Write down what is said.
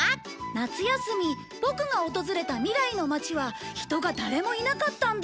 夏休みボクが訪れた未来の街は人が誰もいなかったんだ